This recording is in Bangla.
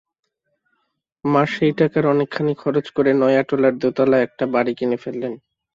মা সেই টাকার অনেকখানি খরচ করে নয়াটোলায় দোতলা এক বাড়ি কিনে ফেললেন।